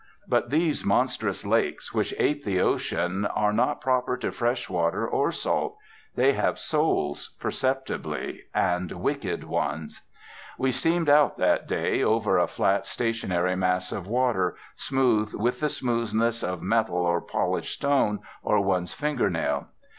But these monstrous lakes, which ape the ocean, are not proper to fresh water or salt. They have souls, perceptibly, and wicked ones. We steamed out, that day, over a flat, stationary mass of water, smooth with the smoothness of metal or polished stone or one's finger nail.